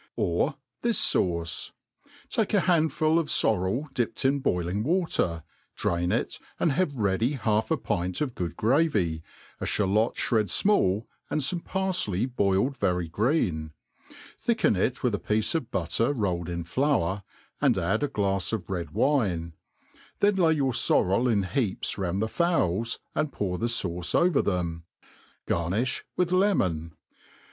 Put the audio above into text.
Or this fauce: take a handful of fofrel dipped in boiling water, drain it, and have ready half a pint of good gravy, a ihalot (bred fmall, and fome pariley boiled very green ; thicken it with a piece of butter rolled in flour, and add a glafs of red wine ; then lay your fprrel in heaps round the fowls, and pouf the fauce over them. Garnifh with lemon.